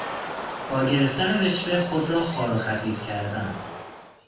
با گرفتن رشوه خود را خوار و خفیف کردن